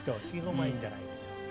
いいんじゃないでしょうか。